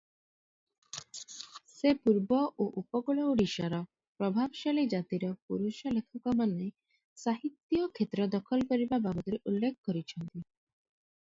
ସେ ପୂର୍ବ ଓ ଉପକୂଳ ଓଡ଼ିଶାର ପ୍ରଭାବଶାଳୀ ଜାତିର ପୁରୁଷ ଲେଖକମାନେ ସାହିତ୍ୟ କ୍ଷେତ୍ର ଦଖଲ କରିବା ବାବଦରେ ଉଲ୍ଲେଖ କରିଛନ୍ତି ।